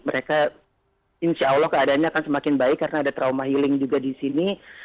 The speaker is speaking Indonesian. mereka insya allah keadaannya akan semakin baik karena ada trauma healing juga di sini